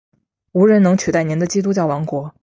无人能取代您的基督教王国！